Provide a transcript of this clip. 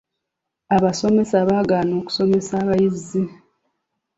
Abasomesa baagaana okusomesa abayizi.